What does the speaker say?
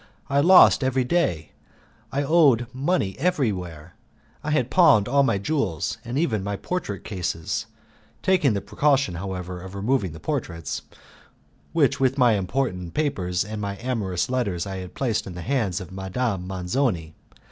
I lost every day, I owed money everywhere, I had pawned all my jewels, and even my portrait cases, taking the precaution, however, of removing the portraits, which with my important papers and my amorous letters I had placed in the hands of Madame Manzoni.